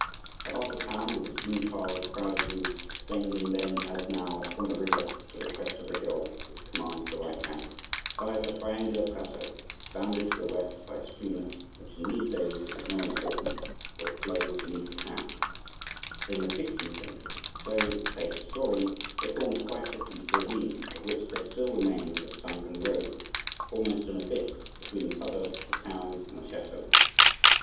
Above the town, with its blue tiled, crowded roofs extending then, as now, from the river to the crest of the hill which commands the right bank, lies a triangular plateau, bounded to the west by a streamlet, which in these days is of no importance, for it flows beneath the town; but in the fifteenth century, so say historians, it formed quite a deep ravine, of which there still remains a sunken road, almost an abyss, between the suburbs of the town and the chateau.